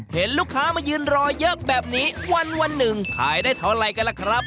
เห็นลูกค้ามายืนรอเยอะแบบนี้วันหนึ่งขายได้เท่าไรกันล่ะครับ